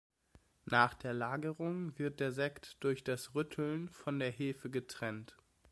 Nach der Lagerung wird der Sekt durch das Rütteln von der Hefe getrennt.